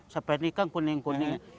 sampai ini kan kuning kuning